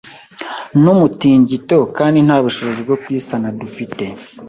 n’umutingito kandi nta bushobozi bwo kuyisana dufite